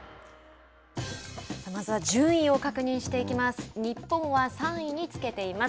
まずは順位を確認していきます。